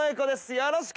よろしく！